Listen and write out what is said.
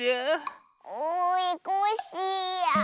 おいコッシーや。